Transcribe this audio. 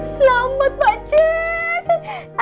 selamat mbak jess